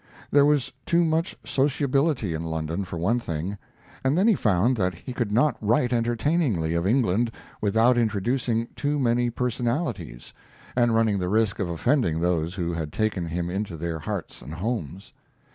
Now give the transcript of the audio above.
There was too much sociability in London for one thing, and then he found that he could not write entertainingly of England without introducing too many personalities, and running the risk of offending those who had taken him into their hearts and homes.